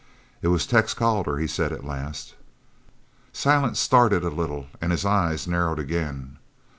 "It was Tex Calder," he said at last. Silent started a little and his eyes narrowed again.